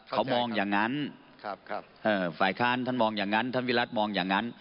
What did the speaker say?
เขามองอย่างนั้นฝ่ายค้านท่านมองอย่างนั้นท่านวิรัติมองอย่างนั้น